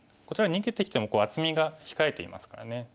こちらに逃げてきても厚みが控えていますからね。